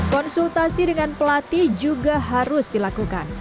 konsultasi dengan pelatih juga harus dilakukan